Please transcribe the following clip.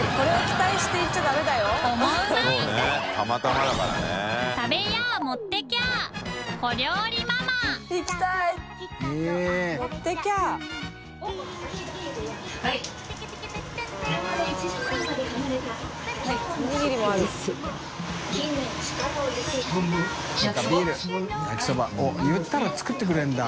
討修おっ言ったら作ってくれるんだ。